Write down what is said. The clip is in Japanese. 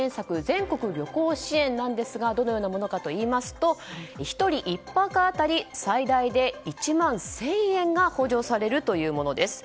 全国旅行支援なんですがどのようなものかといいますと１人１泊あたり最大で１万１０００円が補助されるというものです。